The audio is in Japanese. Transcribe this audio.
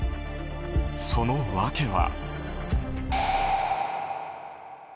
その訳は。